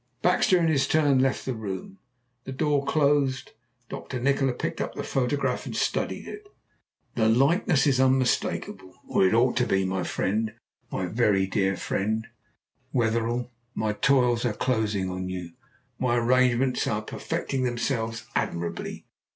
Baxter in his turn left the room. The door closed. Dr. Nikola picked up the photograph and studied it. "The likeness is unmistakable or it ought to be. My friend, my very dear friend, Wetherell, my toils are closing on you. My arrangements are perfecting themselves admirably.